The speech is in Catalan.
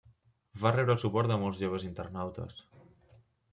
Va rebre el suport de molts joves internautes.